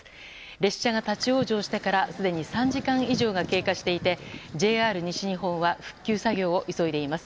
列車が立ち往生してからすでに３時間以上が経過していてＪＲ西日本は復旧作業を急いでいます。